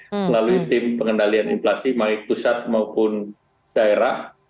selalu tim pengendalian inflasi maupun pusat maupun daerah